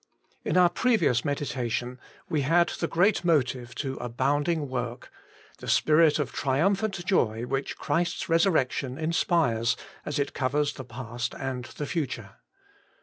IN our previous meditation we had the great motive to abounding work — ^the spirit of triumphant joy which Christ's resurrection inspires as it covers the past and the future.